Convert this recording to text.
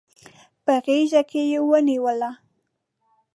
په غیږ کې ونیوله